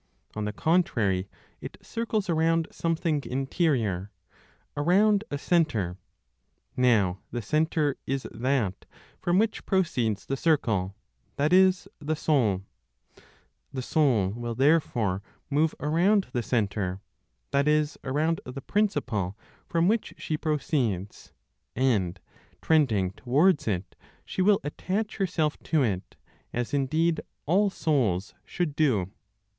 On the contrary, it circles around something interior, around a centre. Now the centre is that from which proceeds the circle, that is, the soul. The soul will therefore move around the centre, that is, around the principle from which she proceeds; and, trending towards it, she will attach herself to it, as indeed all souls should do.